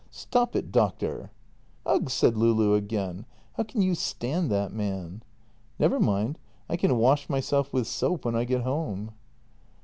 stop it, doctor! "" Ugh !" said Loulou again. " How can you stand that man? "" Never mind. I can wash myself with soap when I get home."